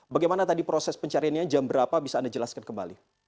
bagaimana tadi proses pencariannya jam berapa bisa anda jelaskan kembali